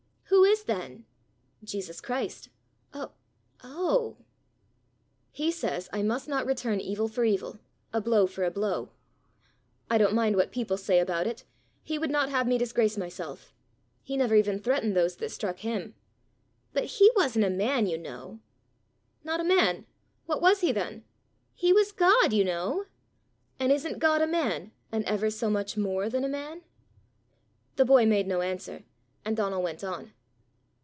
"Who is, then?" "Jesus Christ." "O oh!" "He says I must not return evil for evil, a blow for a blow. I don't mind what people say about it: he would not have me disgrace myself! He never even threatened those that struck him." "But he wasn't a man, you know!" "Not a man! What was he then?" "He was God, you know." "And isn't God a man and ever so much more than a man?" The boy made no answer, and Donal went on.